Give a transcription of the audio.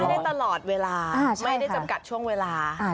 ได้ตลอดเวลาไม่ได้จำกัดช่วงเวลา